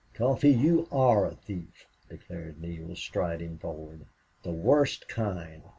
"Coffee, you ARE a thief," declared Neale, striding forward. "The worst kind.